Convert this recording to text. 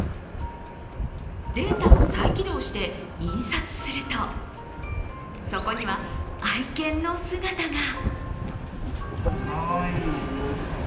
データを再起動して印刷するとそこには、愛犬の姿が。